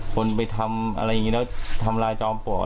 คนไปทำอะไรอย่างนี้แล้วทำลายจอมปลอด